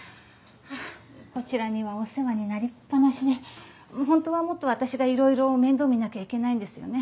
こちらにはお世話になりっぱなしで本当はもっと私がいろいろ面倒見なきゃいけないんですよね。